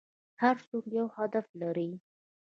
هر څوک یو هدف لري .